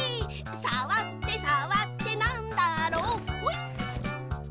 「さわってさわってなんだろう」ほい！